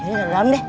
ini di dalam deh